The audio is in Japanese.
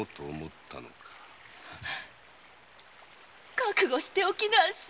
覚悟しておきなんし！